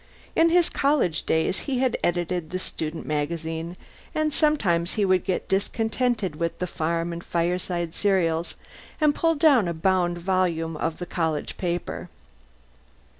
In his college days he had edited the students' magazine, and sometimes he would get discontented with the Farm and Fireside serials and pull down his bound volumes of the college paper.